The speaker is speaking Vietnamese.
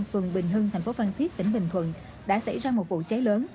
phường bình hưng thành phố phan thiết tỉnh bình thuận đã xảy ra một vụ cháy lớn